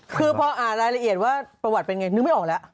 คือพออ่านรายละเอียดว่าประวัติเป็นไงนึกไม่ออกแล้ว